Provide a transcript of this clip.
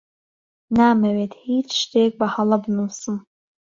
نامەوێت هیچ شتێک بەهەڵە بنووسم.